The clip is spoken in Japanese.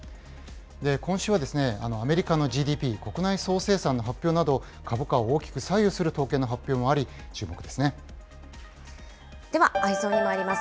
今週は、アメリカのＧＤＰ・国内総生産の発表など、株価を大きく左右する統計の発表もあり、注目ではＥｙｅｓｏｎにまいります。